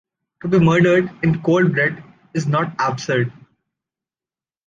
To be murdered in cold blood is not absurd.